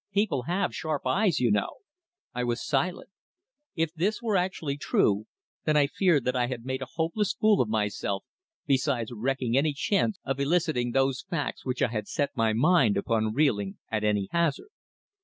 People have sharp eyes, you know." I was silent. If this were actually true, then I feared that I had made a hopeless fool of myself, besides wrecking any chance of eliciting those facts which I had set my mind upon revealing at any hazard.